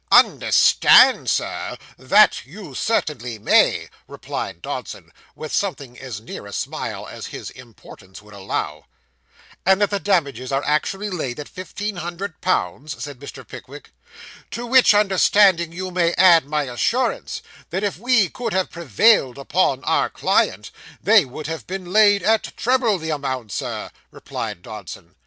'Understand, sir! that you certainly may,' replied Dodson, with something as near a smile as his importance would allow. 'And that the damages are actually laid at fifteen hundred pounds?' said Mr. Pickwick. 'To which understanding you may add my assurance, that if we could have prevailed upon our client, they would have been laid at treble the amount, sir,' replied Dodson.